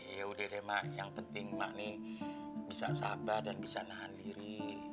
ya udah deh mak yang penting mak nih bisa sabar dan bisa nahan diri